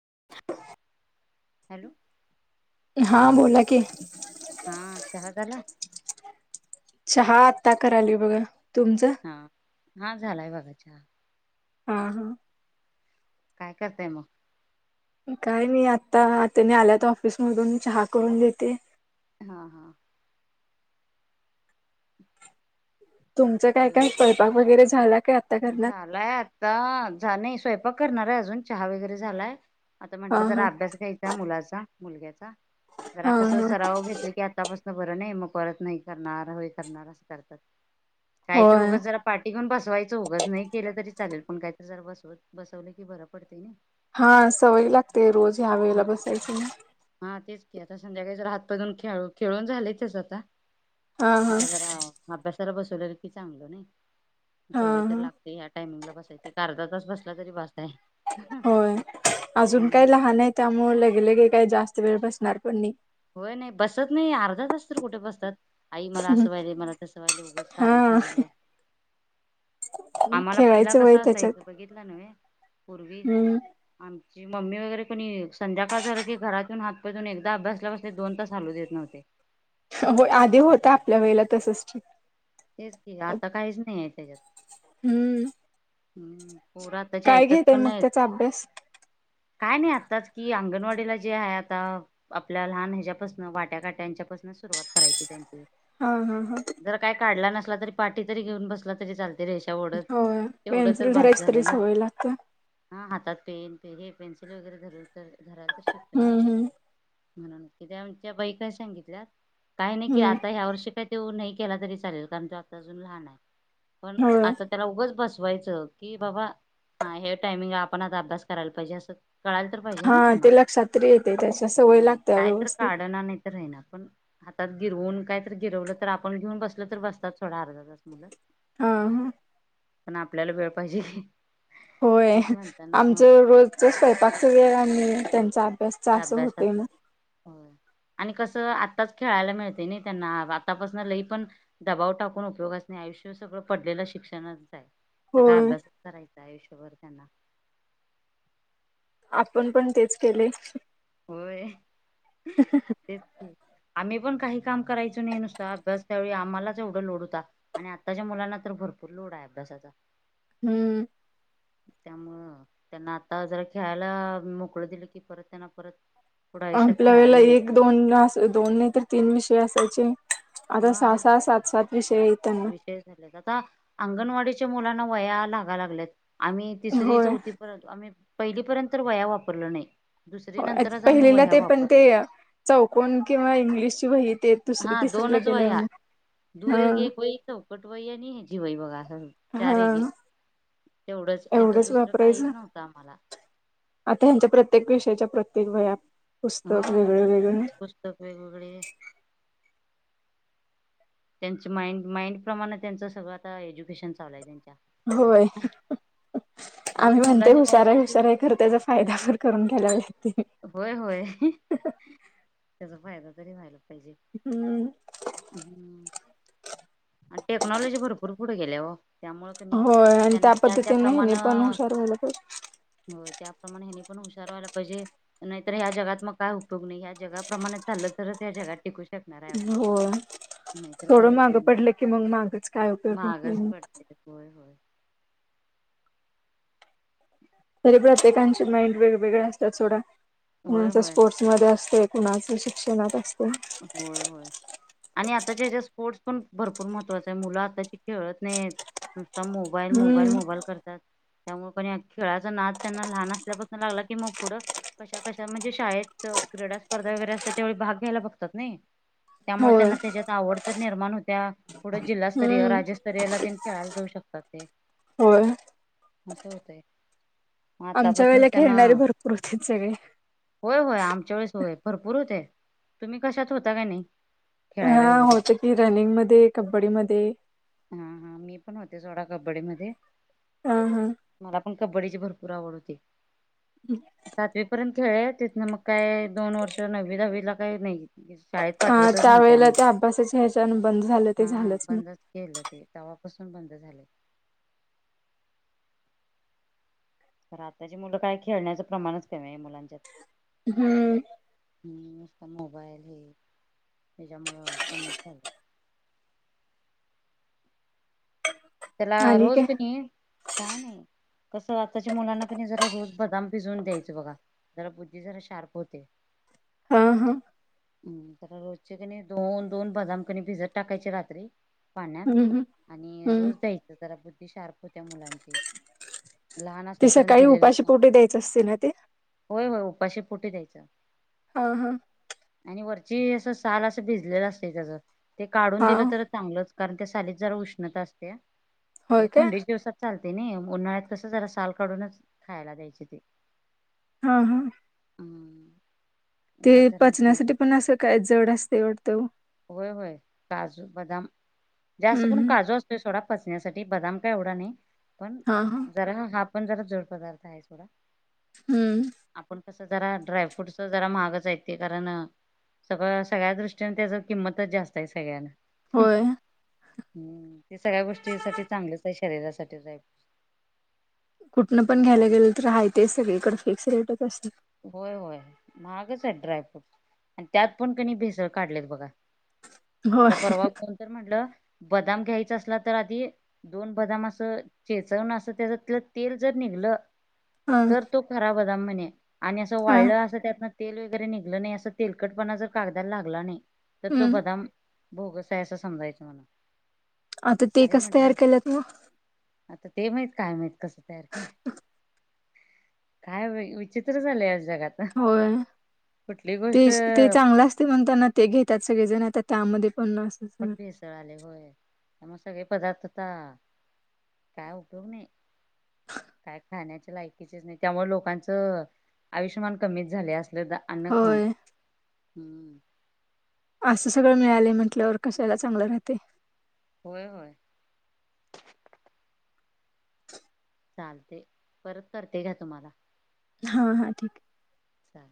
[unintelligible] Hello हा बोला की हा चहा झाला चहा आत्ता कराली बघा तुमचं हा हा झालाय बघा हं हा काय करतय मग काय नाही आता त्यांनी आल्यात ऑफिस मधून चहा करून देते हा तुमचं काय काय स्वयंपाक वगैरे झाला काय आत्ता करणार झालाय आता झा नाही स्वयंपाक करणार आहे अजून चहा वगैरे झालाय आता हा म्हंटलं जरा हा अभ्यास घ्यायचा मुलाचा मुलग्याचा जरा हा कस हा सराव घेतले की आतापसून बरं नाही मग परत नाही करणार हो करणार असं करतात काही तर होय उघच जरा पाठी घेऊन बसवायच दोघच नाही केलं तरी चालेल पण काहीतरी जरा बसव बसवले की बरं पडते ना हा सवय लागते रोज ह्या हा वेळेला बसायच हा तेच आता संध्याकाळी जर हातपजून खेळ खेळून झालेचच आता हा हा आता जरा अभ्यास बसवले की चांगलं नाही हा सवय तर हा लागते ह टायमिंगला बसायची कारजातच बस [unintelligible] होय अजून हम्म. काही लहान नाही आहे त्यामुळेळ लगेलगे काय जास्त वेळ बसणार पण [unintelligible] होय नाही बसत नाही, अर्धा तास तर कुठे बसतात. आई मला, असं व्हाले मला तसं व्हायले, उगंच कारण हा सांगत बस, आम्हाला पहिला खेळायचं वय कसा असायचं त्याच्यात बघितलं. [unintelligible] हम्म [unintelligible] मम्मी वगैरे पण येईल, संध्याकाळ झालं की घरातून हातपाय धुऊन एकदा अभ्यासला बस दोन तास हलू देत नव्हते. हो आधी होता, झाले आपल्या वेळेला तसच ठीक. तेच की आता काहीच नाही आहे त्याच्यात. हम्म हम्म पोर, आताचे काय ऐकत घेतय पण मग नाहीत. त्याचा अभ्यास काय नाही आत्ताच की अंगणवाडीला जे आहे, आता आपल्याला लहान ह्यापासन वाट्या, काट्यांच्या पासूनच सुरवात करायची. हं हं हं जर काय काढला नसला तरी पाठी तरी घऊन, बसला तरी चाल. ते रेषा ओढत होय एवढं तर पेन्सिल भास धरायची तरी झालं, ना सवय लागते हा हातात पेन, [unintelligible] पेन्सिल वगैरे धरायला तर शिकतंय हम्म ना. हम्म म्हणून क आच्या बाईका सांगितल्या काही नाही की हम्म आता ह्या वर्षी काही तो नाही केला तरी चालेल कारण तो, अजून लहान आहे, पण होय आता त्याला उग बस, [unintelligible] की बाबा हा हे टायमिंग आपण आता अभ्यास करायला पाहिजे असं, कळायला तर पाहिजे हा ना त्यांना ते लक्षात्री येते त्याच्या हा सवयीला काय तर काढणार नाही तर राही ना, हातात गिरवून काय, तर गिरवलं तर आपण घेऊन बसल तर बसतात थोडा अर्धा तास हा हा पण आपल्याला वेळ पाहिजे. होय, तेच म्हणतानाच मग आमचं रोजच स्वयंपाकच वे आम्ही त्यांचा अभ्यासचा असं होतय मग अभ्यासाात आणि कसं, आताच खेळायला मिळते नाही, त्यांना आतापासून लई पण दबाव टाकून उपयोगच नाही, आयुष्य सगळं पडले आहे. शिक्षणात, सग होय अभ्यासच करायचा आयुष्यभर त्यांना, आपण पण तेच केले. होय तेच आम्ही पण काही, काम कराचं नाही, नुसत अभ्यास त्यावे आम्हालाच एवढा लोड होता, आणि आताच्या मुलांना तर भरपूर लोड आहे, अभ्यास [unintelligible] हम्म त्यामुळं त्यांना आता, जरा खेळायला मोकळ दिलं कि परत त्यांना परत, पुढं आयुष्यात आपल्या खेळायला वेळेला एक मिळते. दोन दोन नाही, तर तीन विषय असायचे. आता सहा हा सहा सात सात विषय आहेत त्यांना विशे झा आता अंगणवाडी, मुलांना वया लागा लागल्यात, आम्ही तिसरी होय चौथी पर्यंतआम्ही, पहिलीपर्यंत वहया वापरलं नाही. दुसरी हो नंतरच आम्ही पहिलेला वह्या ते पण ते वापरलय चौकन किंवा इंग्लिशची वही, ते दुसरी हा तिसरीला दोनच गेल्यावर वया, मग हा दूरे ग को त कटवयया नाही, ह जीवाई बघ हा चारे ग, तेवढंच नाही तर एवढंच दुसरं वापरायचं काहीच नव्हतं आम्हाला, आता हच्या प्रत्येक विषयाच्या प्रत्येक वहया, हा पुस्तक वेघगळे, त्यांच माइंड माइंड प्रमाणे, त्यांच सगळं आता एज्युकेशन चाललं आहे त्यां, होय आम्ही उगच म्हणते मुलांच्या हुशार आताची हुशार, कर त्याचा फायदा करून घ्यायला लागते. होय होय त्याचा फायदा तरी व्हायला. हम्म ह आणि टेक्नॉलॉजीभरपूर पुढे गेले ओ, त्यामुळे कणी होय आणि त्यांना त्या पद्धतीने त्याप्रमाण ह्यानी पण हुशार व्हायला हो त्याप्रमाणे हेनी पण हशार व्हायला पाहिजे. नाहीतर ह्या जगात मग काय उपयोग नाही, या् जगाप्रमाणे चाललं तरच या् जगात टिकू शकेल. शकणार आहे पाहिजे आपण होय नाहीतर काही थोडं माग उपयोग नाही पडलं की मग मागच काय उपयोग होत नाही मागच म पडते होय होय तरी प्रत्येकांचे माइंड वेगवेगळे असतात सोडा होय म्हण होय स्पोर्ट्स मध्ये असते. कुणाच शिक्षणात असतो. होय होय. आणि आताच्या हच्या स्पोर्ट्स पण भरपूर महत्त्वाच आहे, मुलं आताची खेळत नाही. आता मोबाईल मोबाईल हम्म मोबाईल करतात. त्यामुळे खेळाचा नाद त्यांना लहान असल्यापासून लागला की मग पुढं कशा कशा म्हणजे शाळेत क्रीडा स्पर्धा वगैरे असल्या त्यावेळी भाग घ्यायला बघतात नाही. त्यामुळे होय त्यांना त्याच्यात आवड तर निर्माण होत्या पुढे जिल्हास्तरीय हम्म राज्यस्तरीयला त्यां खेळायला जाऊ शकता. ते होय. असं होतय. आमच्या वेळेला आतापासूनच त्यांना खेळणारे भरपूर होते सगळे होय होय आमच्या वेळेस होय. भरपूर होते तुम्ही कशात होता का नाही. खेळायला हा वगैरे होत की रनिंग मध्ये, कबड्डी मध्ये, हा हा मी पण होते सोडा कबड्डी मध्ये, ह हा कब्डीची भरपूर आवड होती सातवी पर्यंत. खेळ तिथनं मग काय दोन वर्ष नवी दहावीला काही नाही शाळेत हा पाठवतच त्या नव्हते वेळेला आम्हाला. त्या अभ्यासाचे ह्याचने बंद झालं ते हा झालंच ना, बंदच ते तवापसून बंद झाले. आताची मुलं काय खेळण्याचं प्रमाणच कमी मुलांच्या हम्म हम् नसत मोबाईल हे हच्यामुळं कमीच झालं. त्याला आणि रोज काय कणी काय नाही. कसं आताच्या मुलांना क जरा रोज बदाम पिजवून द्यायचं बघा जरा बुद्धी जरा शार्प होते. हा हा हम्म तर रोजचे कणी दोन दोन बदाम कणी भिजत टाकायचे रात्री, हम्म पाण्यात हम्म आणि हम्म रोज दयचं जरा बुद्धी शार्प होत्या मुलांची लहान ते असेपर्यंत सकाळी दिलेलंच उपाशी पोटी नव्हतं द्यायच असते ना ते, उपाशीपोटी द्यायच. हा हा वरची अस साल असं भिजलेलं असते त्या ते काढून हा दिलं तर चांगलंच कारण त्या सालीत जरा उष्णता असते होय म्हणजे काय थंडीच्या दिवसात चालते. ते नाही उन्हाळ्यात कस जरा साल काढूनच खायला द्यायचे ते, हा हा हम्म ते त्यात जरा पचनासाठी उष्णता पण असं काय जड असते वाटतं. होय होय काजू बदाम जास्त हम्म करून हम्म काजू असतोय सोडा. [inaudible] बदाम का एवा नाही पण हा हा ज हा आपण जरा जोड पदार्थ आहे सोडा हम्म आपण. कस जरा ड्रायफ्रूटच जरा महागच येत कारण, सगळं सगळ्या दृष्टीने त्याच किंमतच जास्त आहे. सगळ्यांना होय. हम्म ते सगळ्या गोष्टीसाठी चांगलीच आहे शरीरासाठीच आहे. कुठनं पण घ्यायला गेलं तर आहे ते सगळी इकड फिक्स रेटच असते. होय होय महागच आहे ड्रायफ्रूट आणि त्यात पण कणी भेसळ काढलेत बघा होय आता परवा कोणत म्हंटलं बदाम घ्यायचा असला तर आधी दोन बदाम असं चेचवून असं त्याच्यातलं तेल जर निघलं हा तर तो खराब होदा म्हणे आणि असं हा वाढलं असं त्यातन तेल वगैरे निघलं नाही असं तेलकटपणा जर कागदाला लागला नाही तर तो हम्म बदाम बोगस आहे असं समजायचं मला आता ते अरे कसं तयार म्हंटलं केलं त आता ते माहित काय माहित कसं तरख काय विचित झाज होय गोष्ट ते ते चांगलं असते म्हणताना ते घेतात सगळेजण आ पण भेसळ आले होय त्या मग सगळे पदार्थता काय उपयोग नाही काय खाण्याच्या लायकीचेच नाही त्यामुळे लोकांचं आयुष्यमान कमीच झाले असत हृदा अन्न खाऊन होय ह असं सगळं मिळाले म्हटल्यावर कशाला चांगलं राहते होय होय चालते परत करते घ तुम्हाला हा हा ठीक चा